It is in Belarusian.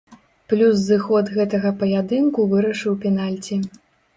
Плюс зыход гэтага паядынку вырашыў пенальці.